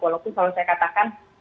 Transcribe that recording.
walaupun kalau saya katakan